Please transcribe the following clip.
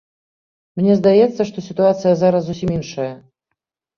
Мне здаецца, што сітуацыя зараз зусім іншая.